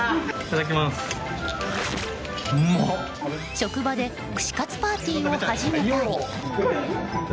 職場で串カツパーティーを始めたり。